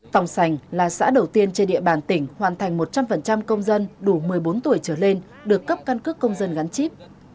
phòng sành là xã đầu tiên trên địa bàn tỉnh hoàn thành một trăm linh công dân đủ một mươi bốn tuổi trở lên được cấp căn cước công dân gắn chip